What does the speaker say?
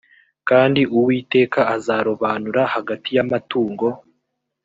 kandi uwiteka azarobanura hagati y amatungo